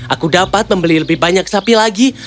aku dapat membeli lebih banyak sapi lagi